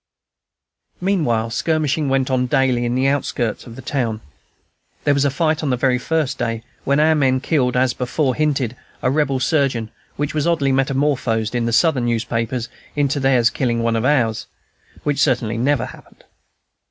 Meanwhile skirmishing went on daily in the outskirts of the town. There was a fight on the very first day, when our men killed, as before hinted, a Rebel surgeon, which was oddly metamorphosed in the Southern newspapers into their killing one of ours, which certainly never happened.